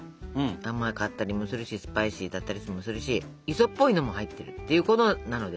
甘かったりもするしスパイシーだったりもするし磯っぽいのも入ってるっていうことなので。